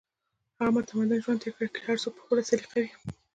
هغې متمدن ژوند تېر کړی چې هر څوک په خپله سليقه وي